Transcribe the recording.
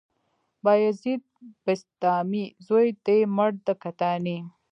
بايزيده بسطامي، زوى دې مړ د کتاني